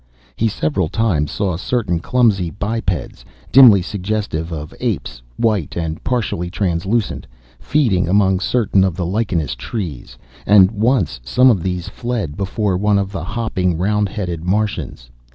He several times saw certain clumsy bipeds, dimly suggestive of apes, white and partially translucent, feeding among certain of the lichenous trees, and once some of these fled before one of the hopping, round headed Martians.